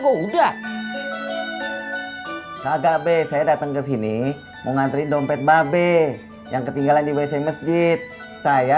gua udah kagak be saya datang ke sini mengantri dompet babes yang ketinggalan di wc masjid saya